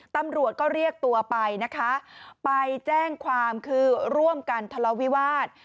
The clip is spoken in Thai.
ตำรวจก็เรียกตัวไปนะคะไปแจ้งความคือร่วมกันทะเลาวิวาส